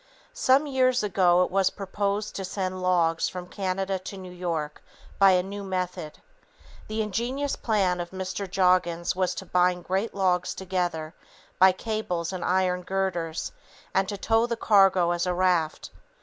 Some years ago, it was proposed to send logs from Canada to New York, by a new method. The ingenious plan of Mr. Joggins was to bind great logs together by cables and iron girders and to tow the cargo as a raft.